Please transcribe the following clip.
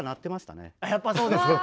やっぱそうですか。